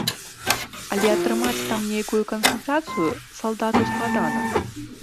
Але атрымаць там нейкую кансультацыю салдату складана.